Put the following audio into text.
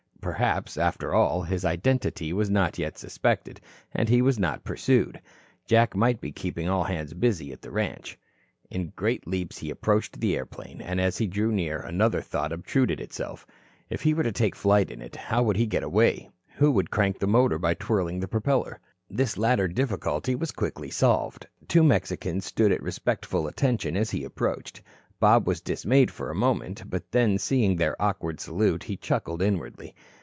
Perhaps, after all, his identity was not yet suspected and he was not pursued. Jack might be keeping all hands busy at the ranch. In great leaps, he approached the airplane and, as he drew near, another thought obtruded itself. If he were to take flight in it, how was he to get away? Who would crank the motor by twirling the propeller? This latter difficulty was quickly solved. Two Mexicans stood at respectful attention as he approached. Bob was dismayed for a moment, but then, seeing their awkward salute, he chuckled inwardly.